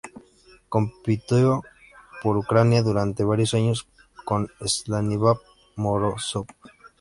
Compitió por Ucrania durante varios años con Stanislav Morozov.